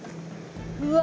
うわ。